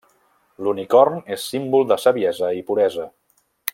L'unicorn és símbol de saviesa i puresa.